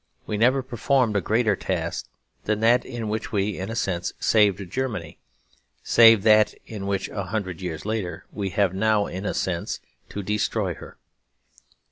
We never performed a greater task than that in which we, in a sense, saved Germany, save that in which a hundred years later, we have now, in a sense, to destroy her.